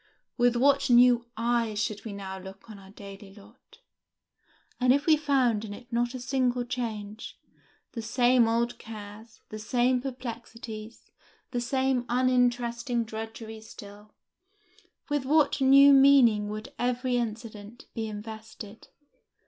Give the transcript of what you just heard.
With what new eyes should we now look on our daily lot! and if we found in it not a single change, the same old cares, the same perplexities, the same uninteresting drudgeries still, with what new meaning would every incident be invested!